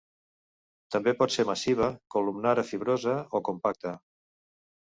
També pot ser massiva, columnar a fibrosa o compacta.